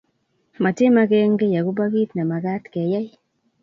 Matemagengi akopo kit nemagat keyai